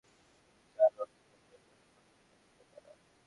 এমন সময় সামনে একটা গাড়ি, যেটির চালককে কেমন যেন পরিচিত লাগছিল তাঁর।